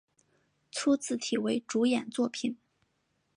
粗体字为主演作品